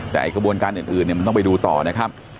แต่กระบวนการอื่นมันต้องไปดูต่อนะครับ